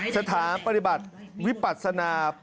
สถาปฏิบัติวิปัศนา